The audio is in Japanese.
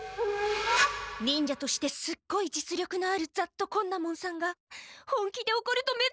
忍者としてすっごい実力のある雑渡昆奈門さんが本気でおこるとめっちゃこわそう！